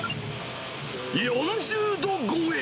４０度超え。